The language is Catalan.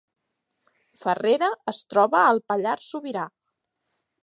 Farrera es troba al Pallars Sobirà